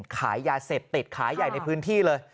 ขายยาเสพติดขายใหญ่ในพื้นที่เลย